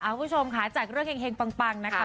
คุณผู้ชมค่ะจากเรื่องเฮงปังนะคะ